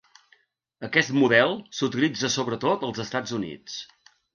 Aquest model s'utilitza sobretot als Estats Units.